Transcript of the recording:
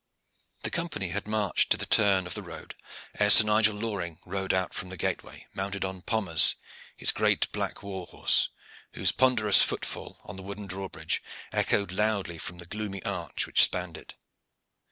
The Company had marched to the turn of the road ere Sir Nigel Loring rode out from the gateway, mounted on Pommers, his great black war horse, whose ponderous footfall on the wooden drawbridge echoed loudly from the gloomy arch which spanned it.